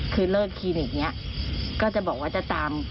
คือเลิกคลินิกนี้ก็จะบอกว่าจะตาม